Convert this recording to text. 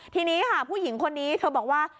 ทีนี้ค่ะผู้หญิงคนนี้เธอบอกว่า